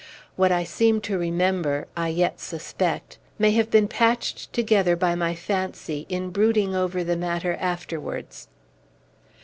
What I seem to remember, I yet suspect, may have been patched together by my fancy, in brooding over the matter afterwards.